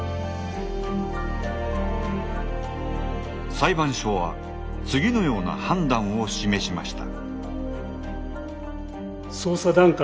裁判所は次のような判断を示しました。